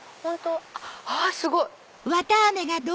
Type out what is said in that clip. あっすごい！